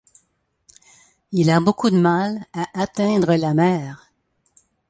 Il a beaucoup de mal à atteindre la mer.